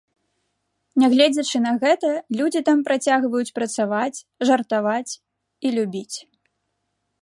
Нягледзячы на гэта, людзі там працягваюць працаваць, жартаваць і любіць.